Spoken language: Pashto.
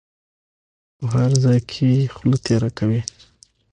په هر ځای کې خوله تېره کوي.